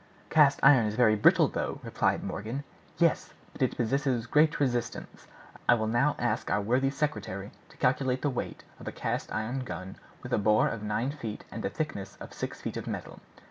"Cast iron is very brittle, though," replied Morgan. "Yes, but it possesses great resistance. I will now ask our worthy secretary to calculate the weight of a cast iron gun with a bore of nine feet and a thickness of six feet of metal."